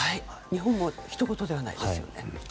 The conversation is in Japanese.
日本もひとごとではないですね。